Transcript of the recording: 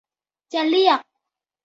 จะเรียก